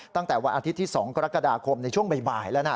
ตั้งแต่วันอาทิตย์ที่๒กรกฎาคมในช่วงบ่ายแล้วนะ